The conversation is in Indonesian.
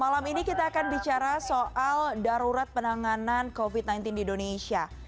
malam ini kita akan bicara soal darurat penanganan covid sembilan belas di indonesia